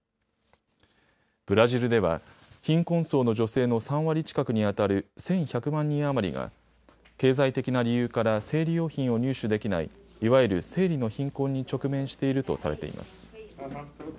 ブラジルでは貧困層の女性の３割近くにあたる１１００万人余りが経済的な理由から生理用品を入手できない、いわゆる生理の貧困に直面しているとされています。